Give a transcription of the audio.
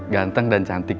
ganteng dan cantik